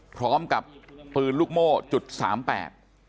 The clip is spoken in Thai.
พร้อมกับปืนลูกโม่จุดสามแปด